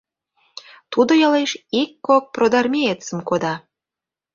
Тудо ялеш ик-кок продармеецым кода.